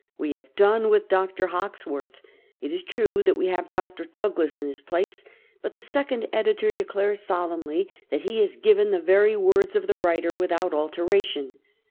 We have done with Dr. Hawkesworth ; it is true that we have Dr. Douglas in his place, but the second editor declares solemnly that he has given the very words of the writer without alteration.